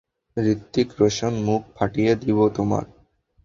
হৃতিক রোশান, মুখ ফাটিয়ে দিব তোমার।